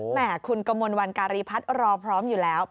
แห่คุณกมลวันการีพัฒน์รอพร้อมอยู่แล้ว